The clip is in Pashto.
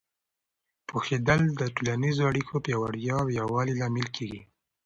پوهېدل د ټولنیزو اړیکو د پیاوړتیا او یووالي لامل کېږي.